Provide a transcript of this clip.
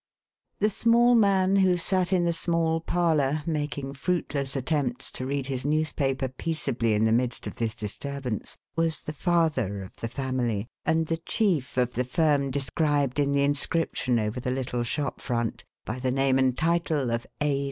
The small man who sat in the small parlour, making fruitless attempts to read his newspaper peaceably in the midst of this disturbance, was the father of the family, and the chief of the firm described in the inscription over the little shop front, by the name and title of A.